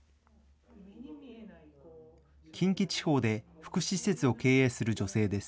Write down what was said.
近畿地方で福祉施設を経営する女性です。